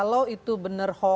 jadi begini mbak